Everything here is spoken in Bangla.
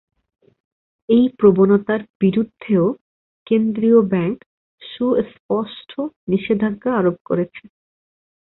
এই প্রবণতার বিরুদ্ধেও কেন্দ্রীয় ব্যাংক সুস্পষ্ট নিষেধাজ্ঞা আরোপ করেছে।